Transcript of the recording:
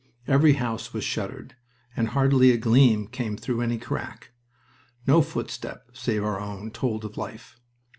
Every house was shuttered, and hardly a gleam came through any crack. No footstep, save our own, told of life.